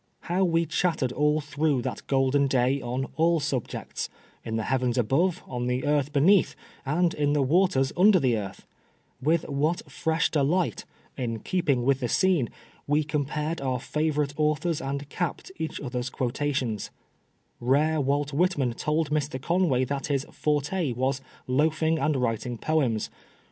How we chattered all through that golden day on all sub jects, in the heavens above, on the earth beneath, and in the waters under the earth I With what fresh de light, in keeping with the scene, we compared our favorite authors and capped each other's quotations I Rare Walt Whitman told Mr. Conway that his forte was " loafing and writing poems."